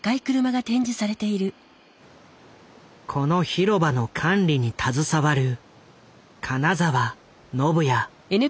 このひろばの管理に携わる金沢信也。